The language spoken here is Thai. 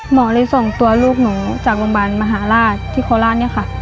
หมอเลยส่งตัวลูกหนูจากโรงพยาบาลมหาราชที่โคราชเนี่ยค่ะ